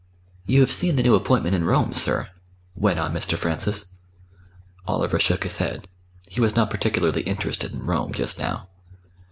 "You have seen the new appointment in Rome, sir," went on Mr. Francis. Oliver shook his head. He was not particularly interested in Rome just now.